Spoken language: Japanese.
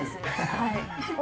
はい。